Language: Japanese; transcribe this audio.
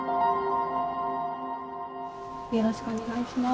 よろしくお願いします。